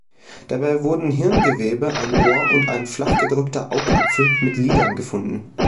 Dabei wurden Hirngewebe, ein Ohr und ein flach gedrückter Augapfel mit Lidern gefunden.